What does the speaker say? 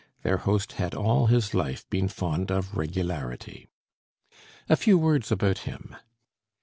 Their host had all his life been fond of regularity. A few words about him.